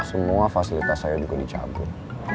semua fasilitas saya juga dicabut